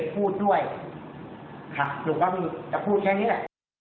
ถูกว่าว่าจะพูดแค่นี้ล่ะ